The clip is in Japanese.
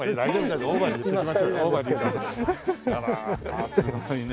あらすごいね。